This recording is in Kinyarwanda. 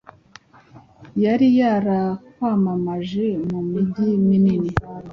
yari yarakwamamaje mu mijyi minini.